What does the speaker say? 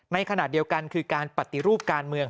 ในขณะเดียวกันคือการปฏิรูปการเมือง